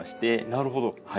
なるほど。